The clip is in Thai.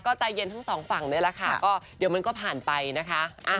ก็ใจเย็นทั้งสองฝั่งนี่แหละค่ะก็เดี๋ยวมันก็ผ่านไปนะคะ